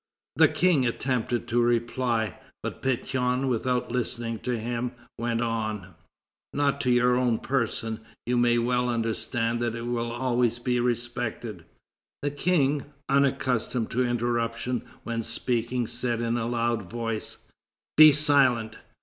The King attempted to reply, but Pétion, without listening to him, went on: "Not to your own person; you may well understand that it will always be respected." The King, unaccustomed to interruption when speaking, said in a loud voice: "Be silent!"